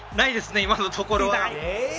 今のところは。